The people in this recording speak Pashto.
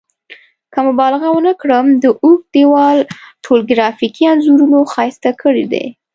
که مبالغه ونه کړم دا اوږد دیوال ټول ګرافیکي انځورونو ښایسته کړی دی.